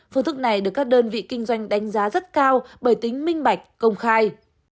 phương thức này được các đơn vị kinh doanh đánh giá rất cao bởi tính minh bạch công khai